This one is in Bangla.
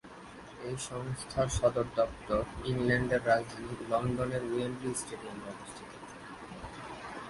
এই সংস্থার সদর দপ্তর ইংল্যান্ডের রাজধানী লন্ডনের ওয়েম্বলি স্টেডিয়ামে অবস্থিত।